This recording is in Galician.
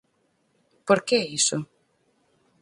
Por que iso?